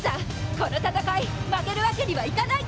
この戦い負けるわけにはいかない。